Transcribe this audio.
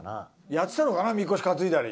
やってたのかなみこし担いだり。